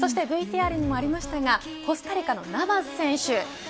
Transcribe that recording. ＶＴＲにもありましたがコスタリカのナヴァス選手。